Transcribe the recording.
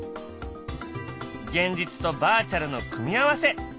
現実とバーチャルの組み合わせ。